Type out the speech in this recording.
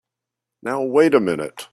Now wait a minute!